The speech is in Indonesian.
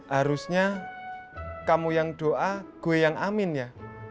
harusnya kamu yang doa gue yang amin ya